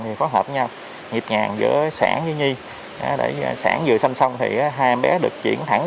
trường hợp nhau nhịp ngàn giữa sản với nhi sản vừa sanh xong thì hai em bé được chuyển thẳng